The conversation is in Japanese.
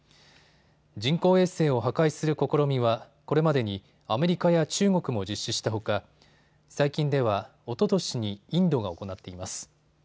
人工衛星を破壊する試みはこれまでにアメリカや中国も実施したほか最近ではおととしにインドが行っています。